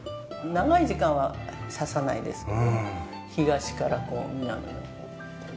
長い時間は差さないですけど東からこう南の。